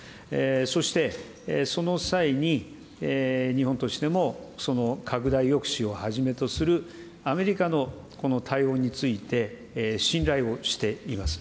そして、その際に、日本としても拡大抑止をはじめとするアメリカの対応について信頼をしています。